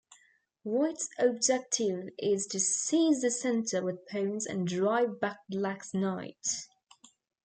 White's objective is to seize the center with pawns and drive back Black's knights.